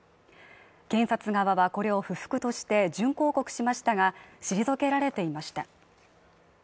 検察側はこれを不服として準抗告しましたが退けられていました。